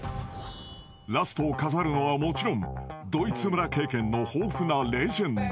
［ラストを飾るのはもちろんドイツ村経験の豊富なレジェンド］